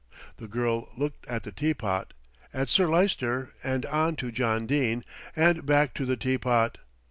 The girl looked at the teapot, at Sir Lyster and on to John Dene, and back to the teapot.